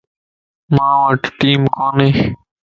مان وٽ ٽيم ڪوني